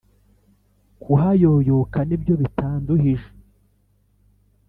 kuhayoboka nibyo bitanduhije,